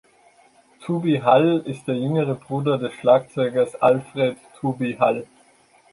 Tubby Hall ist der jüngere Bruder des Schlagzeugers Alfred „Tubby“ Hall.